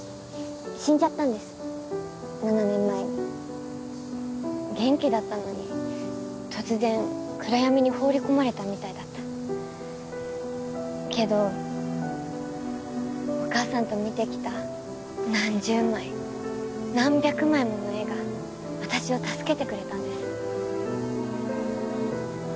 死んじゃったんです７年前に元気だったのに突然暗闇に放り込まれたみたいだったけどお母さんと見てきた何十枚何百枚もの絵が私を助けてくれたんです